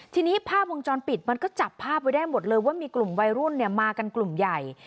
ทีนี้ภาพวงจรปิดมันก็จับภาพไว้ได้หมดเลยว่ามีกลุ่มวัยรุ่นมากันกลุ่มใหญ่